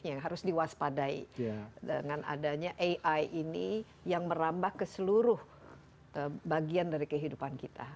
yang harus diwaspadai dengan adanya ai ini yang merambah ke seluruh bagian dari kehidupan kita